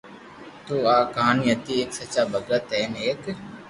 تو آ ڪہاني ھتي ايڪ سچا ڀگت ھين ايڪ